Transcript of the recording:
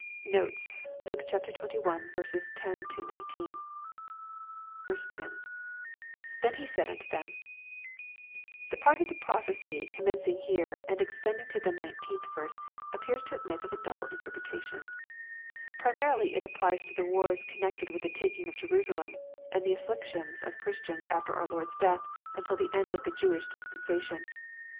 Notes. Luke XXI. 10—19. 10.— [^7^ said he unto tJiem,] The part of the prophecy oommenc ing here, and extending to the nineteenth verse, appears to admit of a double interpretation. Primarily it applies to the wars con nected with the taking of Jerusalem, and the aflaictions of Chris tians after our Lord's death until the end of the Jewish dispensa tion.